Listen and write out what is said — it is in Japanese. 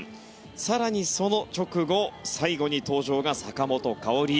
更にその直後最後に登場が坂本花織。